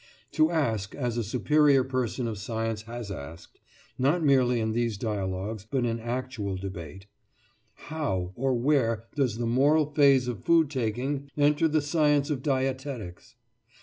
To ask, as a superior person of science has asked (not merely in these dialogues, but in actual debate), "How or where does the moral phase of food taking enter the science of dietetics?"